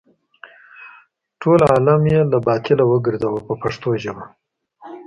ټول عالم یې له باطله وګرځاوه په پښتو ژبه.